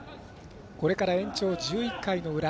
これから延長１１回の裏。